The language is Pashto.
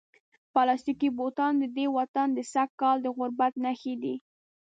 پلاستیکي بوټان د دې وطن د سږکال د غربت نښې دي.